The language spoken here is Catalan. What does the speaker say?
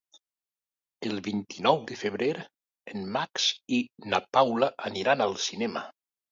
El vint-i-nou de febrer en Max i na Paula aniran al cinema.